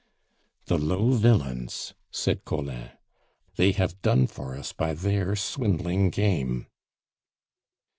"The low villains!" said Collin. "They have done for us by their swindling game."